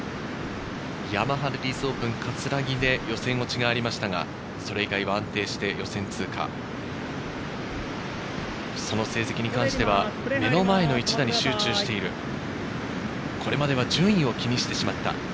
ヤマハレディースオープン葛城で予選落ちがありましたが、それ以外は安定して予選通過をその成績に関しては目の前の一打に集中している、これまでは順位を気にしてしまった。